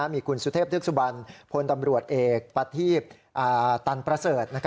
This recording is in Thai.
มีคุณสุเทพธึกสุบันพลตำรวจเอกประทีพตันประเสริฐ